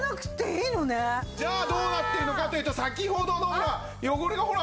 じゃあどうなっているのかというと先ほどの汚れがほら